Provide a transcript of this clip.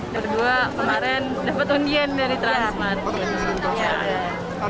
berdua kemarin dapet undian dari transmart